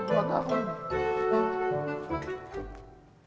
buat aku ini